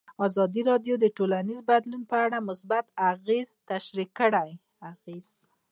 ازادي راډیو د ټولنیز بدلون په اړه مثبت اغېزې تشریح کړي.